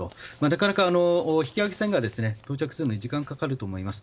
なかなか引き上げ作業は到着するのに時間がかかると思います。